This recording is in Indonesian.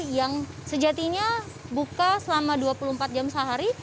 yang sejatinya buka selama dua puluh empat jam sehari